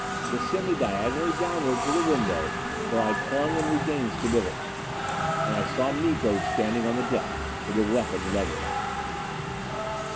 It sent me diagonally downward to the window, where I clung and regained stability. And I saw Miko standing on the deck with a weapon levelled at me!